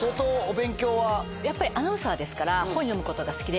やっぱりアナウンサーですから。